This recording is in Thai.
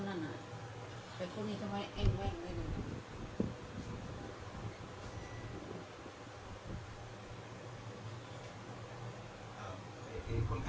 แล้วซ้ายสุดมันคุยกับลูกอีกนะ